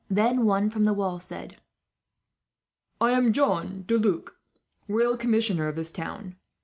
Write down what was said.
Then one from the wall said: "I am John De Luc, royal commissioner of this town.